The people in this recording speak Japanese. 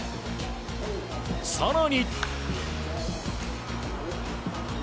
更に。